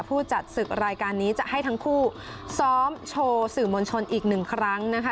ผู้จัดศึกรายการนี้จะให้ทั้งคู่ซ้อมโชว์สื่อมวลชนอีกหนึ่งครั้งนะคะ